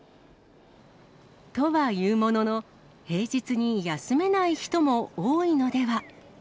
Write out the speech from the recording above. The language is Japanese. とはいうものの、平日に休めない人も多いのでは。